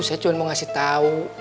saya cuma mau ngasih tahu